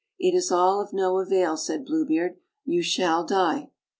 "It is all of no avail," said Blue Beard, "you shall die."